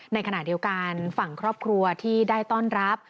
ในขณะเดียวกันฝั่งครอบครัวที่ได้ต้อนรับ